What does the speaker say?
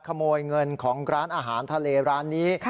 ขโมยเงินของร้านอาหารทะเลร้านนี้